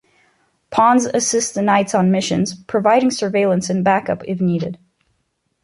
Pawns assist the Knights on missions, providing surveillance and backup if needed.